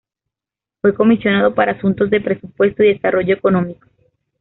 Fue comisionado para asuntos de presupuesto y desarrollo económico.